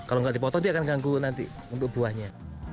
kalau nggak dipotong dia akan ganggu nanti untuk buahnya